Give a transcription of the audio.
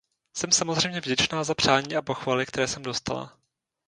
Jsem samozřejmě vděčná za přání a pochvaly, které jsem dostala.